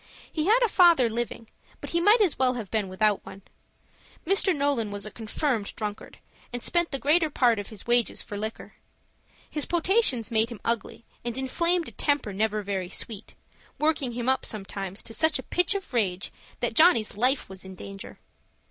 He had a father living, but he might as well have been without one. Mr. Nolan was a confirmed drunkard, and spent the greater part of his wages for liquor. His potations made him ugly, and inflamed a temper never very sweet, working him up sometimes to such a pitch of rage that Johnny's life was in danger.